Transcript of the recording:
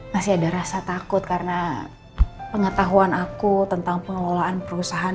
masih ada rasa takut karena pengetahuan aku tentang pengelolaan perusahaan